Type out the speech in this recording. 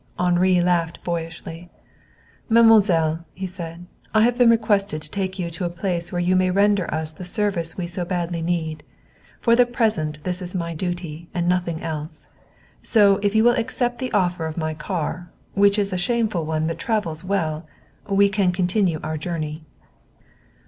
Henri laughed boyishly. "Mademoiselle," he said, "I have been requested to take you to a place where you may render us the service we so badly need. For the present that is my duty, and nothing else. So if you will accept the offer of my car, which is a shameful one but travels well, we can continue our journey."